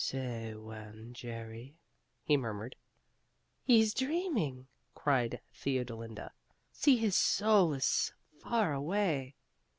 "Say when, Jerry," he murmured. "He's dreaming!" cried Theodolinda. "See, his soul is far away!"